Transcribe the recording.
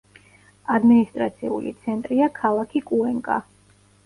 ადმინისტრაციული ცენტრია ქალაქი კუენკა.